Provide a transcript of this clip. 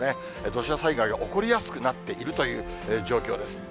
土砂災害が起こりやすくなっているという状況です。